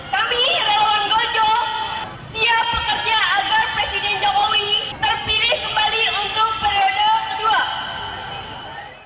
kami relawan gojo siap bekerja agar presiden jokowi terpilih kembali untuk periode kedua